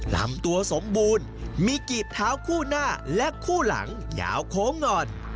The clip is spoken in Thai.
ลำตัวสมบูรณ์มีกีบเท้าคู่หน้าและคู่หลังยาวโค้งงอน